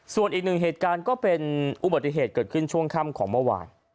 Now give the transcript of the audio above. ส่วนอีกหนึ่งเหตุการณ์ก็เป็นอุบัติเหตุเกิดขึ้นช่วงค่ำของเมื่อวาน